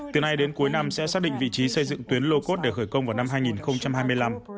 từ nay đến cuối năm sẽ xác định vị trí xây dựng tuyến lô cốt để khởi công vào năm hai nghìn hai mươi năm